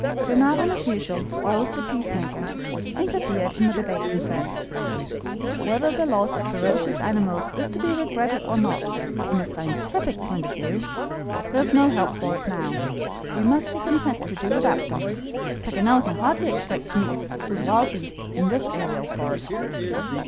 Glenarvan, as usual, always the peacemaker, interfered in the debate, and said: "Whether the loss of ferocious animals is to be regretted or not, in a scientific point of view, there is no help for it now; we must be content to do without them. Paganel can hardly expect to meet with wild beasts in this aerial forest."